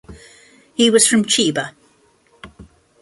He was from Chiba.